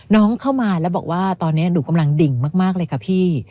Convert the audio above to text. เข้ามาแล้วบอกว่าตอนนี้หนูกำลังดิ่งมากเลยค่ะพี่